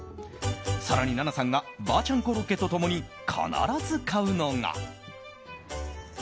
更に、奈々さんがばぁちゃんコロッケと共に必ず買うのが。